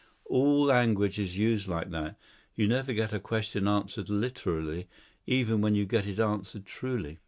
All language is used like that; you never get a question answered literally, even when you get it answered truly.